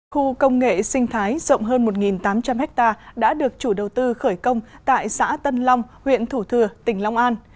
khu công nghệ sinh thái rộng hơn một tám trăm linh ha đã được chủ đầu tư khởi công tại xã tân long huyện thủ thừa tỉnh long an